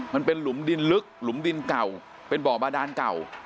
มันเป็นหลุมดินลึกหลุมดินเก่าเป็นบ่อบาดานเก่า